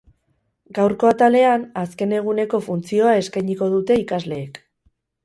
Gaurko atalean, azken eguneko funtzioa eskainiko dute ikasleek.